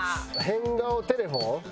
変顔テレフォン